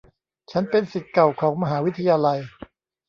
ฉันเป็นศิษย์เก่าของมหาวิทยาลัย